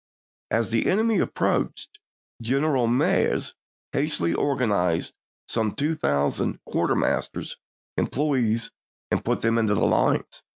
As the enemy ap proached, General Meigs hastily organized some two thousand quartermaster's employees and put them into the lines.